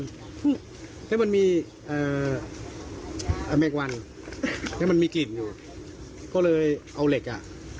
แล้วมันมีเอ่อแมงวันแล้วมันมีกลิ่นอยู่ก็เลยเอาเหล็กอ่ะ